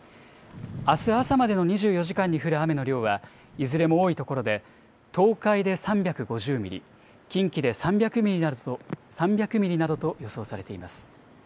あす朝までの２４時間に降る雨の量は、いずれも多い所で東海で３５０ミリ、近畿で３００ミリなどと予想されています。